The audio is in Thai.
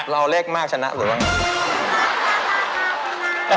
เราเรียกมากชนะหรือเปล่า